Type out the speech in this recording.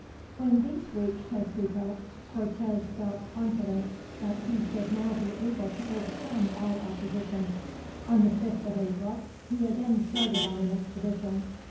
When these reached Tezcuco, Cortez felt confident that he should now be able to overcome all opposition. On the fifth of April he again started on an expedition.